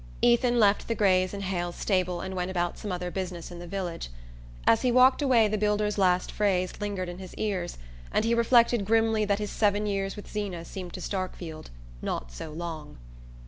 Ethan left the grays in Hale's stable and went about some other business in the village. As he walked away the builder's last phrase lingered in his ears, and he reflected grimly that his seven years with Zeena seemed to Starkfield "not so long."